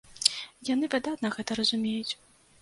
Яны выдатна гэта разумеюць.